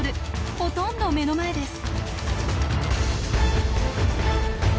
ほとんど目の前です。